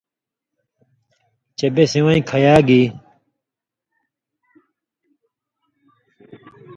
چے بے سِوَیں کھیاگ یی،